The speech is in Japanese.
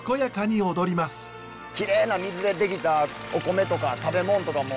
きれいな水で出来たお米とか食べもんとかも。